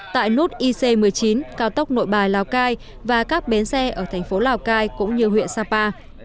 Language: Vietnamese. tại nút ic một mươi chín cao tốc nội bài lào cai và các bến xe ở thành phố lào cai cũng như huyện sapa